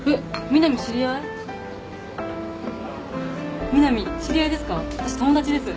南知り合いですか？